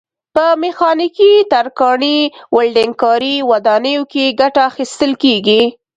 په میخانیکي، ترکاڼۍ، ولډنګ کاري، ودانیو کې ګټه اخیستل کېږي.